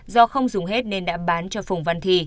do không dùng hết nên đã bán cho phùng văn thì